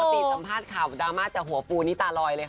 ปกติสัมภาพข่าวดราม่าจะหัวปูนี่ตารอยเลย